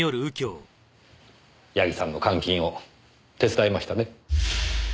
矢木さんの監禁を手伝いましたね？